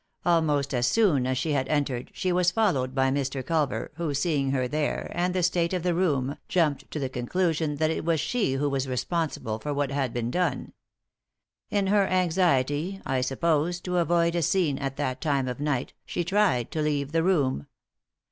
Almost as soon as she bad entered she was followed by Mr. Culver, who seeing her there, and the state of the room, jumped to the conclusion that it was she who was responsible for what had been done. In her anxiety, I suppose, to avoid a scene at that time of night, she tried to leave the room.